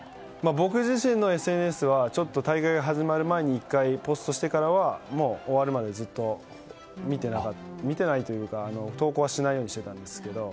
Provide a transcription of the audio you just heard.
僕自身のＳＮＳは大会が始まる前に１回ポストしてからは終わるまでずっと見てないというか、投稿はしないようにしてたんですけど。